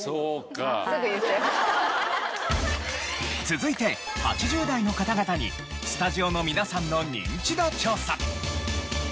続いて８０代の方々にスタジオの皆さんのニンチド調査。